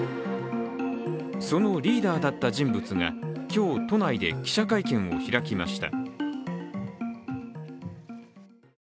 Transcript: そのリーダーだった人物が今日、都内で記者会見を開きました。